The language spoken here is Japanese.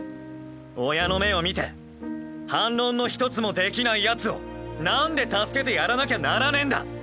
親の目を見て反論の一つもできないヤツをなんで助けてやらなきゃならねぇんだ！